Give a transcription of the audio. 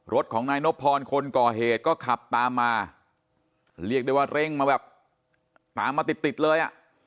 รถของนายนบพรคนก่อเหตุก็ขับตามมาเรียกได้ว่าเร่งมาแบบตามมาติดติดเลยอ่ะ